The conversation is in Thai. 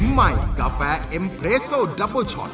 ใหม่กาแฟเอ็มเพรโซดับเบิ้ลชอต